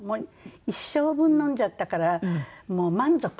一生分飲んじゃったからもう満足。